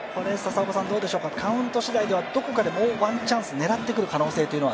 カウントしだいでは、どこかでもうワンチャンス狙ってくる可能性は。